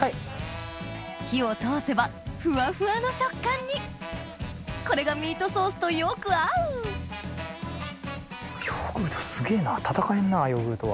火を通せばふわふわの食感にこれがミートソースとよく合うヨーグルトすげぇな戦えるなヨーグルトは。